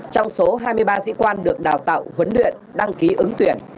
trong số hai mươi ba sĩ quan được đào tạo huấn luyện đăng ký ứng tuyển